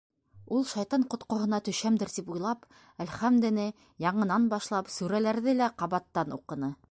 Ул шайтан ҡотҡоһона төшәмдер тип уйлап, әлхәмдене яңынан башлап, сүрәләрҙе лә ҡабаттан уҡыны.